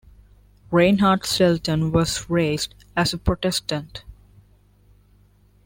Reinhard Selten was raised as Protestant.